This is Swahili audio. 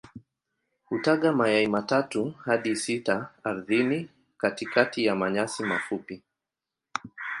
Hutaga mayai matatu hadi sita ardhini katikati ya manyasi mafupi.